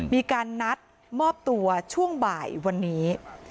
มีการนัดมอบตัวช่วงบ่ายวันนี้